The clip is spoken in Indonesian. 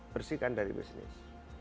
bersihkan dari bisnis